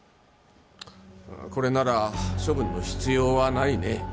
これなら処分の必要はないね。